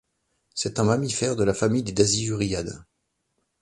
C’est un mammifère de la famille des Dasyuridae.